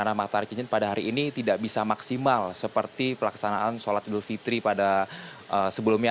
karena matahari cincin pada hari ini tidak bisa maksimal seperti pelaksanaan sholat idul fitri pada sebelumnya